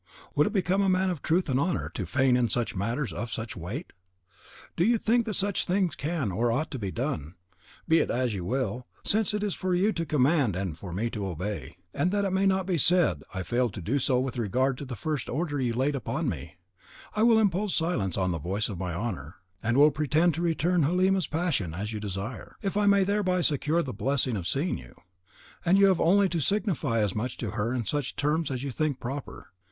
Or would it become a man of truth and honour to feign in matters of such weight? If you think that such things can or ought to be done, be it as you will, since it is for you to command and for me to obey; and that it may not be said I failed to do so with regard to the first order you laid upon me, I will impose silence on the voice of my honour, and will pretend to return Halima's passion, as you desire, if I may thereby secure the blessing of seeing you; and you have only to signify as much to her in such terms as you shall think proper.